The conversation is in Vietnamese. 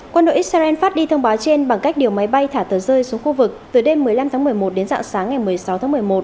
quân đội israel phát đi thông báo trên bằng cách điều máy bay thả tờ rơi xuống khu vực từ đêm một mươi năm tháng một mươi một đến dạng sáng ngày một mươi sáu tháng một mươi một